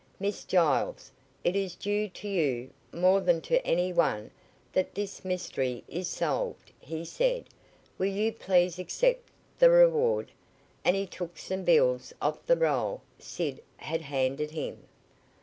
"Miss Giles, it is due to you, more than to any, one, that this mystery is solved," he said: "Will you please accept the reward?" and he took some bills off the roll Sid had handed him.